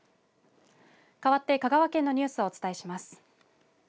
かわって香川県のニュースをお伝えします。